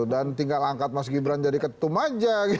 dan tinggal angkat mas gibran jadi ketum aja